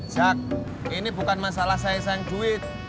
jack ini bukan masalah saya sayang duit